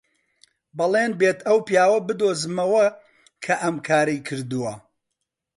بەڵێن بێت ئەو پیاوە بدۆزمەوە کە ئەم کارەی کردووە.